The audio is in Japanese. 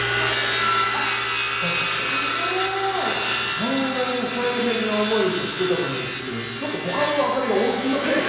あんなに大変な思いをして付けたのにちょっと他のアサリが多すぎませんか？